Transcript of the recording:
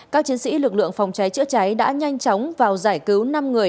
các chiến sĩ lực lượng phòng cháy chữa cháy đã nhanh chóng vào giải cứu năm người